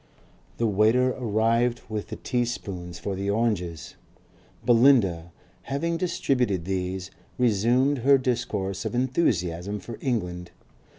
The waiter arrived with the tea spoons for the oranges. Belinda, having distributed these, resumed her discourse of enthusiasm for England.